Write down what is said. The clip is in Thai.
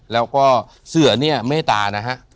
แล้วก็เสือเนี่ยเมตตานะฮะ